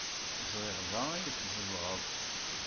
Ẓriɣ da ay tzedɣeḍ.